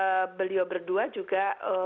sebenarnya beliau berdua juga memilih